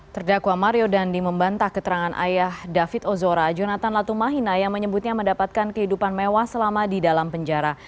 terdakwa mario dandi membantah keterangan ayah david ozora jonathan latumahina yang menyebutnya mendapatkan kehidupan mewah selama di dalam penjara